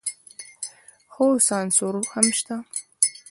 خو سانسور هم شته.